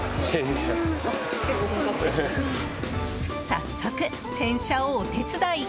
早速、洗車をお手伝い！